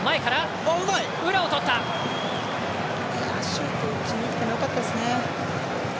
シュート打ちにいってよかったですね。